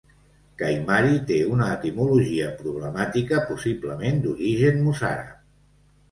Caimari té una etimologia problemàtica, possiblement d'origen mossàrab.